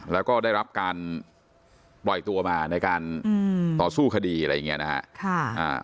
แล้วก็ได้รับการปล่อยตัวมาในการต่อสู้คดีอะไรอย่างนี้นะฮะ